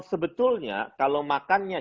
sebetulnya kalau makannya